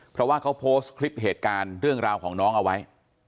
เพราะว่าเขาโพสต์คลิปเหตุการณ์เรื่องราวของน้องเอาไว้